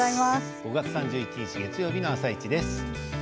５月３１日月曜日の「あさイチ」です。